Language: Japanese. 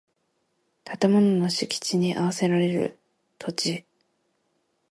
建物の敷地に供せられる土地